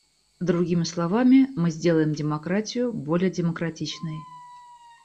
Другими словами, мы сделаем демократию более демократичной.